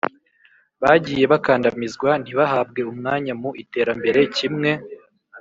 bagiye bakandamizwa, ntibahabwe umwanya mu iterambere kimwe